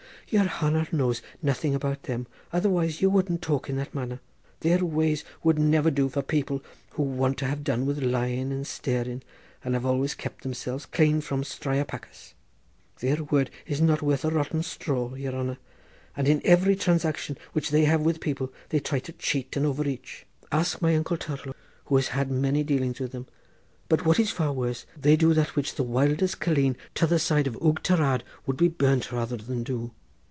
"Yere hanner knows nothing about them, otherwise ye wouldn't talk in that manner. Their ways would never do for people who want to have done with lying and staling, and have always kept themselves clane from striopachas. Their word is not worth a rotten straw, yere hanner, and in every transaction which they have with people they try to cheat and overreach—ask my uncle Tourlough, who has had many dealings with them. But what is far worse, they do that which the wildest calleen t'other side of Ougteraarde would be burnt rather than do.